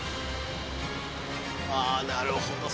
あなるほど。